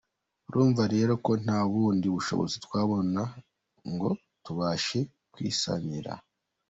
Urumva rero ko nta bundi bushobozi twabona ngo tubashe kwisanira.